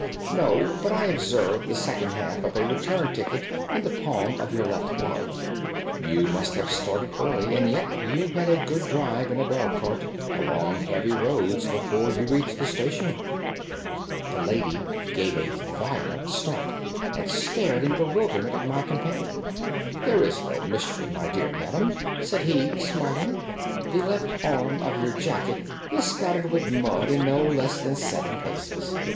"No, but I observe the second half of a return ticket in the palm of your left glove. You must have started early, and yet you had a good drive in a dog cart, along heavy roads, before you reached the station." The lady gave a violent start and stared in bewilderment at my companion. "There is no mystery, my dear madam," said he, smiling. "The left arm of your jacket is spattered with mud in no less than seven places.